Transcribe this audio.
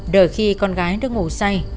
đợi khi con gái đã ngủ say